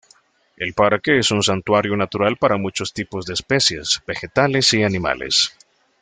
El parque es un santuario natural para muchos tipos de especies vegetales y animales.